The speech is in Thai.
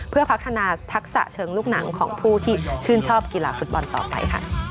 เพื่อพัฒนาทักษะเชิงลูกหนังของผู้ที่ชื่นชอบกีฬาฟุตบอลต่อไปค่ะ